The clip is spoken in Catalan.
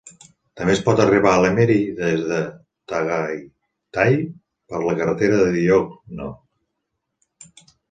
També es pot arribar a Lemery des de Tagaytay, per la carretera de Diokno.